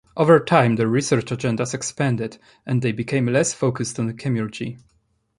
Over time, their research agendas expanded, and they became less focused on chemurgy.